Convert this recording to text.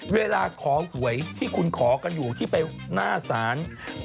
เวลาขอหวยที่คุณขอกันอยู่ที่ไปหน้าศาล